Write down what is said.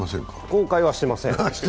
後悔はしてません。